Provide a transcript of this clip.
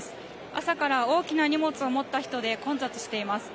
朝から大きな荷物を持った人で混雑しています。